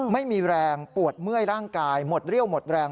ไม่มีแรงปวดเมื่อยร่างกายหมดเรี่ยวหมดแรง